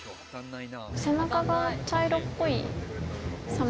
背中が茶色っぽいサメ。